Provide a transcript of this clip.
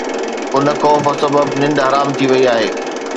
ان خوف سبب ننڊ حرام ٿي وئي آهي.